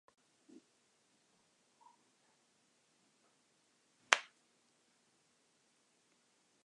Texas toast can also be used when making toasted sandwiches.